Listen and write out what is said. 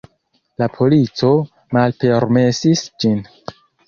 La polico malpermesis ĝin.